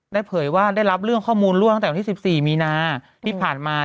เผยว่าได้รับเรื่องข้อมูลล่วงตั้งแต่วันที่๑๔มีนาที่ผ่านมา